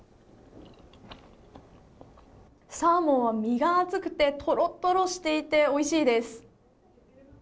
サーモンは身が厚くてとろとろしていておいしいです。